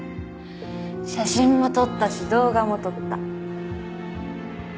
写真も撮ったし動画も撮った。